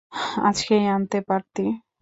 আজকেই আনতে পারতি।